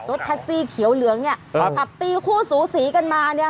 รถแท็กซี่เขียวเหลืองเนี่ยเขาขับตีคู่สูสีกันมาเนี่ย